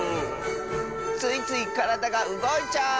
ついついからだがうごいちゃう！